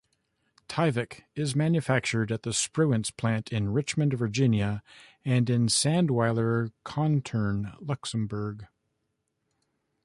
Tyvek is manufactured at the Spruance plant in Richmond, Virginia, and in Sandweiler-Contern, Luxembourg.